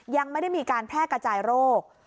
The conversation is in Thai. ยังไม่ได้มีการแพร่กระจายโรค